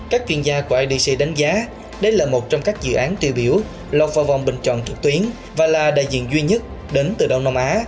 các chuyên gia của idc đánh giá đây là một trong các dự án tiêu biểu lọt vào vòng bình chọn trực tuyến và là đại diện duy nhất đến từ đông nam á